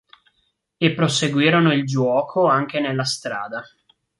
E proseguirono il giuoco anche nella strada.